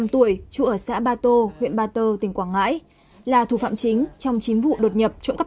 trụ ở xã ba tô huyện ba tơ tỉnh quảng ngãi là thủ phạm chính trong chính vụ đột nhập trộm cấp